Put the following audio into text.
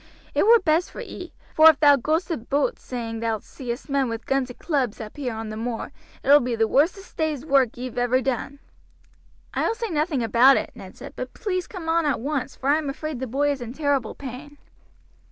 "It were best for ee, for if thou go'st aboot saying thou'st seen men with guns and clubs up here on the moor, it ull be the worsest day's work ee've ever done." "I will say nothing about it," Ned replied, "but please come on at once, for I am afraid the boy is in terrible pain."